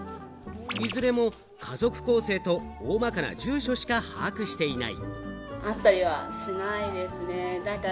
いずれも家族構成と大まかな住所しか把握していない。